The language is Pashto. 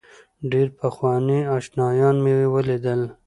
ډېر پخواني آشنایان مې ولیدل.